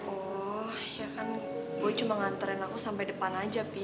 oh ya kan gue cuma nganterin aku sampai depan aja pi